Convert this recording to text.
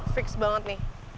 fix banget nih